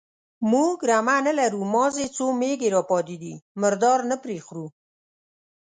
_موږ رمه نه لرو، مازې څو مېږې راپاتې دي، مردار نه پرې خورو.